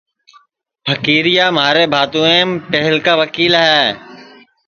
پھکیریا مھارے بھاتوئیم پہلکا وکیل ہے